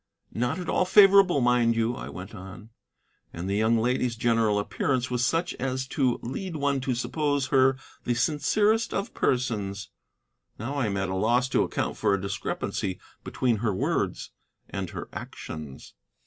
"Not at all favorable, mind you," I went on. "And the young lady's general appearance was such as to lead one to suppose her the sincerest of persons. Now I am at a loss to account for a discrepancy between her words and her actions."